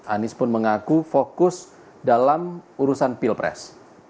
anies pun mengaku fokus dalam urusan pilpres